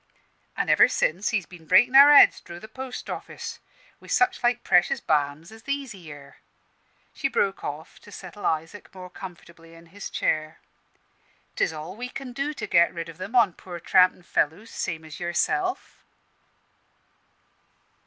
"An' ever since he's been breaking our heads dro' the post office wi' such like precious balms as these here." She broke off to settle Isaac more comfortably in his chair. "'Tis all we can do to get rid of 'em on poor trampin' fellows same as yourself."